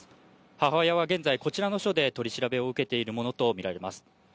母親は現在、こちらの署で取り調べを受けているものと見られます。